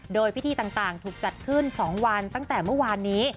โดยพิธีต่างถูกจัดขึ้น๒วันตั้งแต่เมื่อวานนี้